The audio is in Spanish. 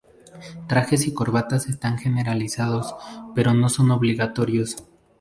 Trajes y corbatas están generalizados, pero no son obligatorios.